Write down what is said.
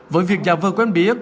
với việc giả vờ quen bí ức